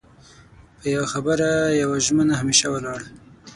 په يو خبره يوه ژمنه همېشه ولاړ